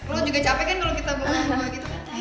lo juga capek kan kalo kita berdua dua gitu